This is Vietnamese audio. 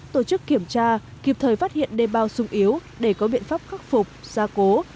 tổ chức kiểm tra kịp thời phát hiện đê bao sung yếu để có biện pháp khắc phục gia cố